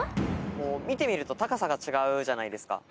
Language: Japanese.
見てみると高さが違うじゃないですか。